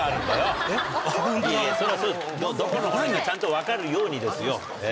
どこの骨かちゃんと分かるようにですよ。